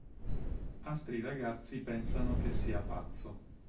Altri ragazzi pensano che sia pazzo.